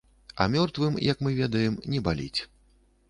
А мёртвым, як мы ведаем, не баліць.